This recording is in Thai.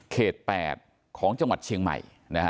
๘ของจังหวัดเชียงใหม่